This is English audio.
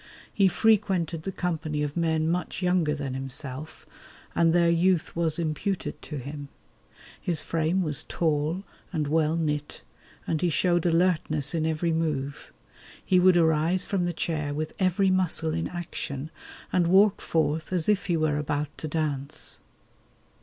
He frequented the company of men much younger than himself, and their youth was imputed to him. His frame was tall and well knit, and he showed alertness in every move. He would arise from the chair with every muscle in action, and walk forth as if he were about to dance.